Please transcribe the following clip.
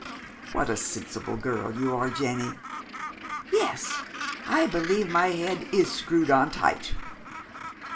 " What a sensible girl you are, Jenny I "" Yes, I believe my head is screwed on pretty tight."